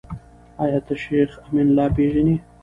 آيا ته شيخ امين الله پېژنې ؟